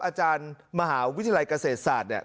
อาจารย์มหาวิทยาลัยเกษตรศาสตร์เนี่ย